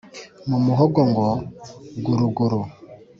mu muhogo ngo guruguru